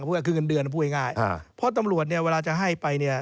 ว่าคือเงินเดือนพูดง่ายเพราะตำรวจเนี่ยเวลาจะให้ไปเนี่ย